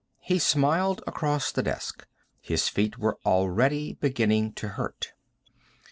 He smiled across the desk. His feet were already beginning to hurt.